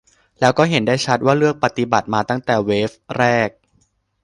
แล้วก็เห็นได้ชัดว่าเลือกปฏิบัติมาตั้งแต่เวฟแรก